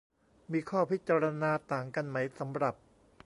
มีข้อพิจารณาต่างกันไหม สำหรับ